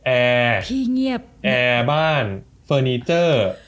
แอร์แอร์บ้านเฟอร์นีเจอร์